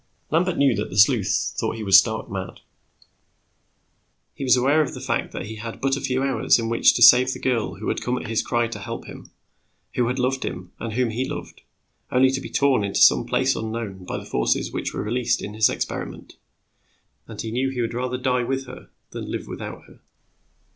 Lambert knew that the sleuths thought he was stark mad. He was aware of the fact that he had but a few hours in which to save the girl who had come at his cry to help him, who had loved him and whom he loved, only to be torn into some place unknown by the forces which were released in his experiment. And he knew he would rather die with her than live without her.